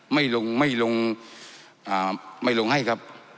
ไม่ลงไม่ลงไม่ลงให้ครับ